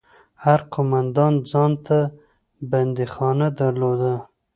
هر قومندان ځان ته بنديخانه درلوده.